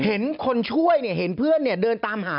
เห็นคนช่วยเนี่ยเห็นเพื่อนเดินตามหา